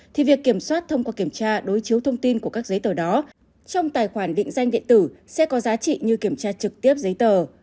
thì việc kiểm soát thông qua kiểm tra đối chiếu thông tin của các giấy tờ đó trong tài khoản định danh điện tử sẽ có giá trị như kiểm tra trực tiếp giấy tờ